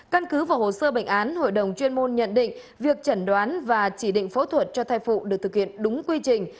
căn cứ vào hồ sơ bệnh án hội đồng chuyên môn nhận định việc chẩn đoán và chỉ định phẫu thuật cho thai phụ được thực hiện đúng quy trình